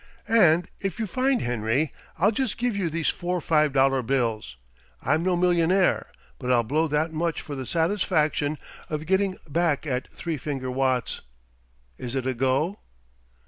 And if you find Henry I'll just give you these four five dollar bills. I'm no millionaire, but I'll blow that much for the satisfaction of getting back at Three Finger Watts. Is it a go?"